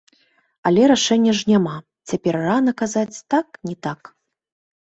Але рашэння ж няма, цяпер рана казаць так, не так.